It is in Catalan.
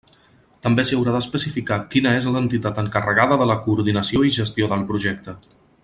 També s'hi haurà d'especificar quina és l'entitat encarregada de la coordinació i gestió del projecte.